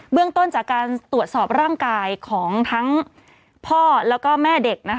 เรื่องต้นจากการตรวจสอบร่างกายของทั้งพ่อแล้วก็แม่เด็ก